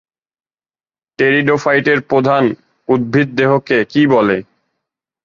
টেরিডোফাইটের প্রধান উদ্ভিদদেহকে কী বলে?